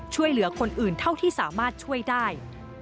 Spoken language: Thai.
ช่วยเหลือคนอื่นเท่าที่สามารถช่วยได้